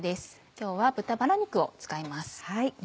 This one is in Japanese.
今日は豚バラ肉を使います。